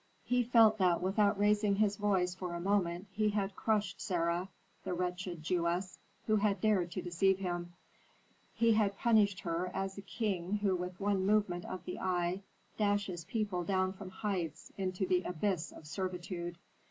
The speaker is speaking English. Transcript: He felt that without raising his voice for a moment he had crushed Sarah, the wretched Jewess, who had dared to deceive him. He had punished her as a king who with one movement of the eye dashes people down from heights into the abyss of servitude.